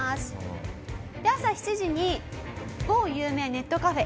朝７時に某有名ネットカフェ